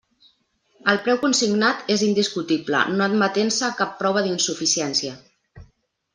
El preu consignat és indiscutible no admetent-se cap prova d'insuficiència.